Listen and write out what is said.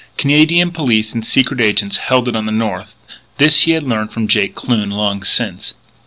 Canadian police and secret agents held it on the north: this he had learned from Jake Kloon long since.